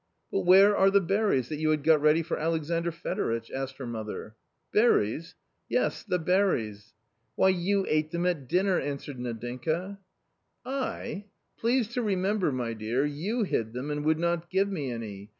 " But where are the berries that you had got ready for Alexandr Fedoritch ?" asked her mother. " Berries ?"" Yes, the berries." " Why, you ate them at dinner," answered Nadinka. " I ! please to remember, my dear, you hid them aud would not give me any.